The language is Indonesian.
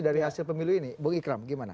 dari hasil pemilu ini bung ikram gimana